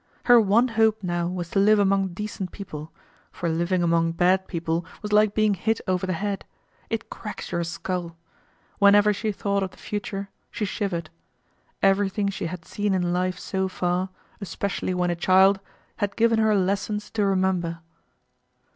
Her one hope now was to live among decent people, for living among bad people was like being hit over the head. It cracks your skull. Whenever she thought of the future, she shivered. Everything she had seen in life so far, especially when a child, had given her lessons to remember.